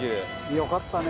よかったね。